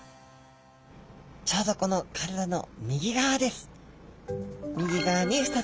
ちょうどこの体の右側です